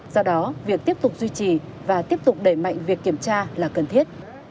do đó việc tiếp tục duy trì và tiếp tục đẩy mạnh việc kiểm tra là cần thiết